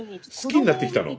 好きになってきたの？